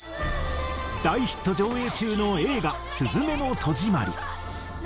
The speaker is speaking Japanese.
大ヒット上映中の映画『すずめの戸締まり』。